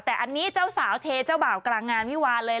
แต่เจ้าสาวเทเจ้าบ่าวกลางงานวิวาร์